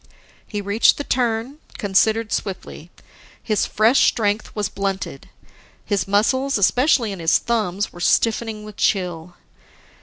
He reached the turn, considered swiftly. His fresh strength was blunted; his muscles, especially in his thumbs, were stiffening with chill.